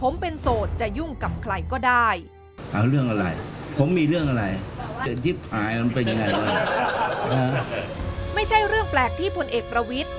ไม่ใช่เรื่องแปลกที่พลเอกประวิทธิ